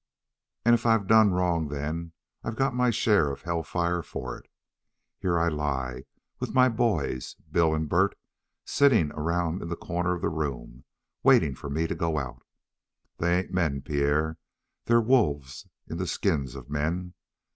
"And if I done wrong then, I've got my share of hell fire for it. Here I lie, with my boys, Bill and Bert, sitting around in the corner of the room waiting for me to go out. They ain't men, Pierre. They're wolves in the skins of men.